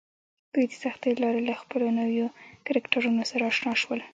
دوی د سختیو له لارې له خپلو نویو کرکټرونو سره اشنا شول